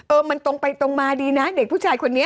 มันตรงไปตรงมาดีนะเด็กผู้ชายคนนี้